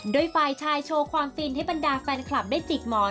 โดยฝ่ายชายโชว์ความฟินให้บรรดาแฟนคลับได้จิกหมอน